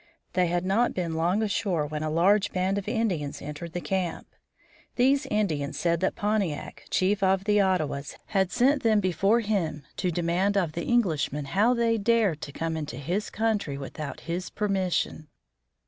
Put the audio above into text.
They had not been long ashore when a large band of Indians entered the camp. These Indians said that Pontiac, chief of the Ottawas, had sent them before him to demand of the Englishmen how they dared to come into his country without his permission.